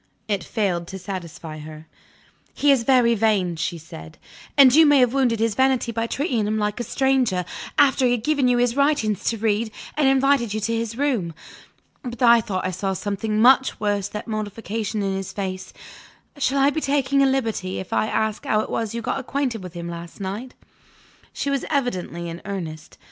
It failed to satisfy her. "He is very vain," she said, "and you may have wounded his vanity by treating him like a stranger, after he had given you his writings to read, and invited you to his room. But I thought I saw something much worse than mortification in his face. Shall I be taking a liberty, if I ask how it was you got acquainted with him last night?" She was evidently in earnest.